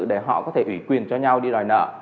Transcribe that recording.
để họ có thể ủy quyền cho nhau đi đòi nợ